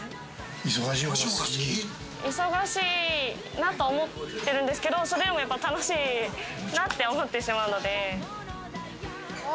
忙しいなと思ってるんですけど、それでもやっぱり楽しいなって思ってしまうので。